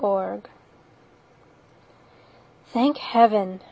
For Annie THANK Heaven!